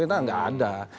kita gak ada